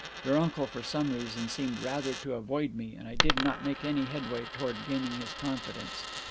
Your uncle, for some reason, seemed rather to avoid me, and I did not make any headway towards gaining his confidence.